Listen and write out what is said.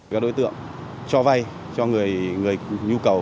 các đối tượng cho vay cho người nhu cầu